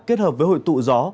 kết hợp với hội tụ gió